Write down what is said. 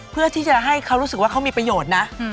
เพื่อที่จะให้เขารู้สึกว่าเขามีประโยชน์นะ